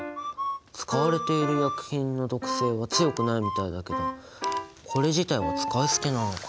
使われている薬品の毒性は強くないみたいだけどこれ自体は使い捨てなのか。